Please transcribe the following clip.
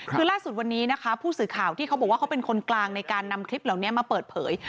คือล่าสุดวันนี้นะคะผู้สื่อข่าวที่เขาบอกว่าเขาเป็นคนกลางในการนำคลิปเหล่านี้มาเปิดเผย